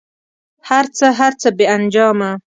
هر څه، هر څه بې انجامه